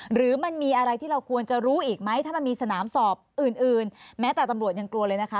หรือมันมีอะไรที่เราควรจะรู้อีกไหมถ้ามันมีสนามสอบอื่นแม้แต่ตำรวจยังกลัวเลยนะคะ